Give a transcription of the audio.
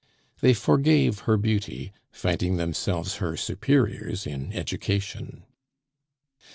They forgave her beauty, finding themselves her superiors in education.